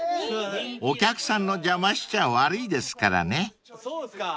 ［お客さんの邪魔しちゃ悪いですからね］